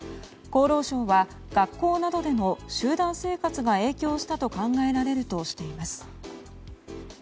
厚労省は学校などでの集団生活が影響したと考えられるとしています。